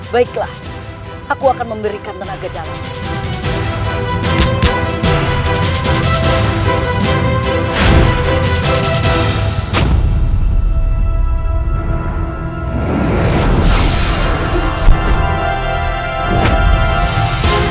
baiklah aku akan memberikan tenaga dalam